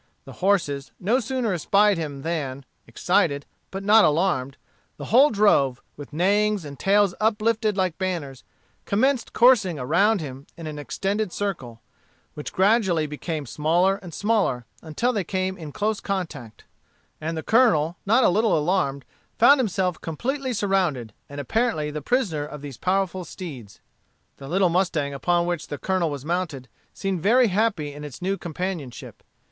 The horses no sooner espied him than, excited, but not alarmed, the whole drove, with neighings, and tails uplifted like banners, commenced coursing around him in an extended circle, which gradually became smaller and smaller, until they came in close contact; and the Colonel, not a little alarmed, found himself completely surrounded, and apparently the prisoner of these powerful steeds. The little mustang upon which the Colonel was mounted seemed very happy in its new companionship.